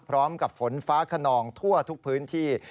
พร้อมกับฝนฟ้าขนองทั่วทุกพื้นที่